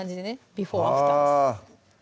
ビフォーアフターです